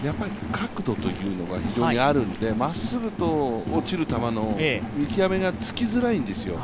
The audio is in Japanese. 確度というのが非常にあるのでまっすぐと落ちる球の見極めがつきづらいんですよ。